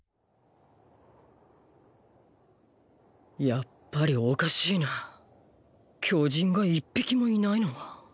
やっぱりおかしいな巨人が一匹もいないのは。